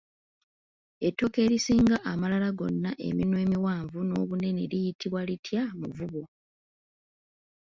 Ettooke erisinza amalala gonna eminwe emiwanvu n’obunene liitibwa litya muvubo.